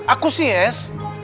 aku si yes